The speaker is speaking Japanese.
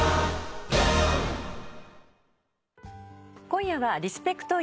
今夜はリスペクト！！